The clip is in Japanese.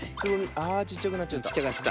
あちっちゃくなっちゃった。